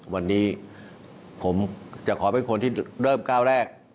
วันนี้ผมจะขอเป็นคนที่เริ่มก้าวแรก